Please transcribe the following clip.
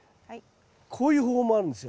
こういう方法もあるんですよ。